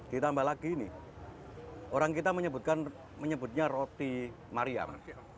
ditambah lagi ini orang kita menyebutnya roti mariam